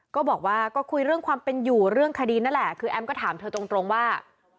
ก็บอกว่าก็คุยเรื่องความเป็นอยู่เรื่องคดีนั่นแหละคือแอมก็ถามเธอตรงว่า